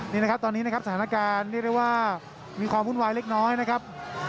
นี่นะครับตอนนี้นะครับสถานการณ์เรียกได้ว่ามีความวุ่นวายเล็กน้อยนะครับ